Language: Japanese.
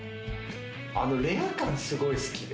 あのレア感、すごい好きで。